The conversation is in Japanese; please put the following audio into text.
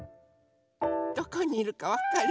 どこにいるかわかる？